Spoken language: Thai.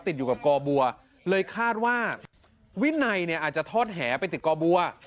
ติดอยู่กับกอบัวเลยคาดว่าวินัยเนี่ยอาจจะทอดแหไปติดกอบัว